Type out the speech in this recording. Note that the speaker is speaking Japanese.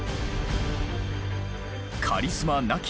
カリスマ亡き